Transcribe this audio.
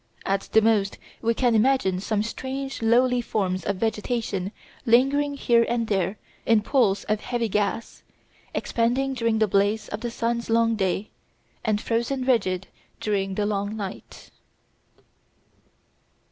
At the most we can imagine some strange lowly forms of vegetation lingering here and there in pools of heavy gas, expanding during the blaze of the sun's long day, and frozen rigid during the long night.